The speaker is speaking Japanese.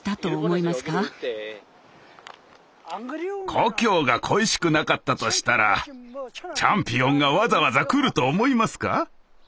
故郷が恋しくなかったとしたらチャンピオンがわざわざ来ると思いますか？